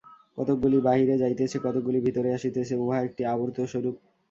কতকগুলি বাহিরে যাইতেছে, কতকগুলি ভিতরে আসিতেছে, উহা একটি আবর্তস্বরূপ।